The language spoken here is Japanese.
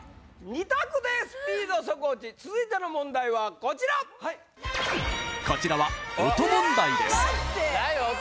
２択でスピードソクオチ続いての問題はこちらこちらは音問題です